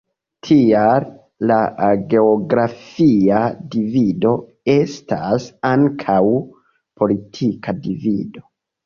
Tial la geografia divido estas ankaŭ politika divido.